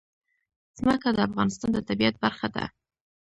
ځمکه د افغانستان د طبیعت برخه ده.